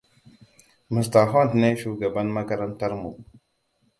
Mr. Hunt ne shugaban makarantar mu.